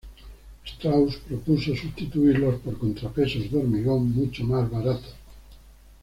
Strauss propuso sustituirlos por contrapesos de hormigón, mucho más baratos.